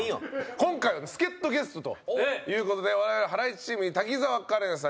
今回は助っ人ゲストという事で我々ハライチチームに滝沢カレンさん